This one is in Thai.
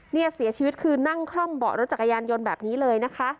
เนี่ยเสียชีวิตคือนั่งคล่อมเบาะรถจักรยานยนต์แบบนี้เลยนะคะ